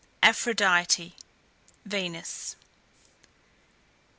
APHRODITE (VENUS).